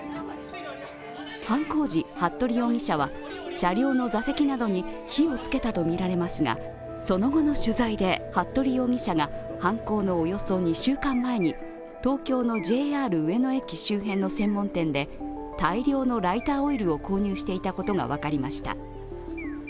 犯行時、服部容疑者は車両の座席などに火をつけたとみられますがその後の取材で服部容疑者が犯行のおよそ２週間前に東京のＪＲ上野駅周辺の専門店で大量のライターオイルを購入していたことが分かりました。